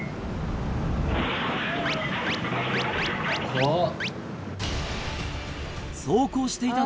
怖っ。